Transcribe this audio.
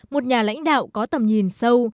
một nhà lãnh đạo có tầm nhìn sâu